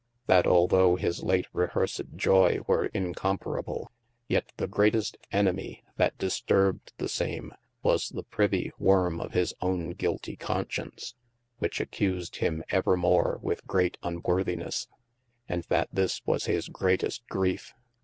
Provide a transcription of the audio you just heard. That although his late rehersed joy were incomparable, yet the greatest enimie that disturbed the same, was the privie worme of his owne giltie conscience, which accused him evermore with great unworthinesse : and that this was his greatest griefe.